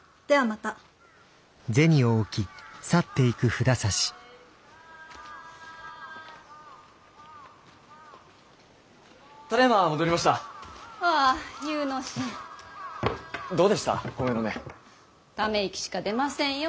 ため息しか出ませんよ。